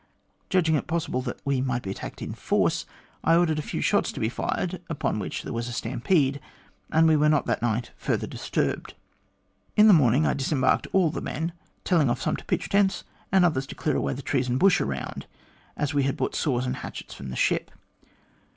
Judging it possible that we might be attacked in force, I ordered a few shots to be fired, upon which there was a stampede, and we were not that night further disturbed. In the morning I dis embarked all the men, telling off some to pitch tents, and others to clear away the trees and bush around, as we had brought saws and hatchets from the ship.